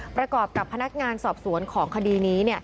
ประกอบกับพนักงานสอบสวนของคดีนี้